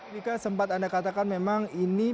dika sempat anda katakan memang ini